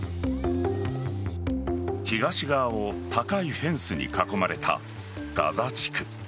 東側を高いフェンスに囲まれたガザ地区。